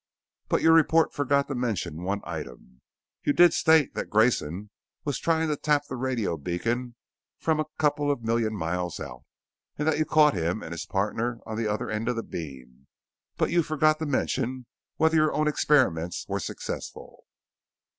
"But your report forgot to mention one item. You did state that Grayson was trying to tap the radio beacon from a couple of million miles out, and that you caught him and his partner on the other end of the beam. But you forgot to mention whether your own experiments were successful."